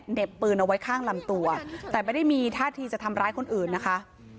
ปืนเอาไว้ข้างลำตัวแต่ไม่ได้มีท่าทีจะทำร้ายคนอื่นนะคะ